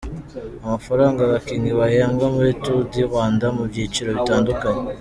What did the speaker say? Amafaranga abakinnyi bahembwa muri Tour du Rwanda mu byiciro bitandukanye.